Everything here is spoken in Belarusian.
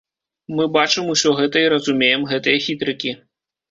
Мы бачым усё гэта і разумеем гэтыя хітрыкі.